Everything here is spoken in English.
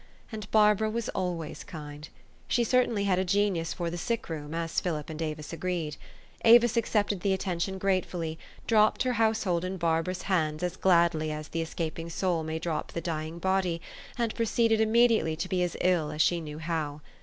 And Barbara was alwa} T s kind : she certainly had a genius for the sick room, as Philip and Avis agreed. Avis accepted the attention gratefully, dropped her house hold in Barbara's hands as gladly as the escaping soul may drop the d}'ing bod} T , and proceeded imme diately to be as ill as she knew how.